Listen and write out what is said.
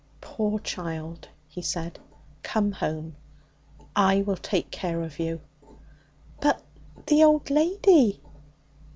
'Poor child!' he said. 'Come home. I will take care of you.' 'But the old lady?'